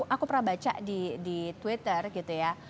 aku pernah baca di twitter gitu ya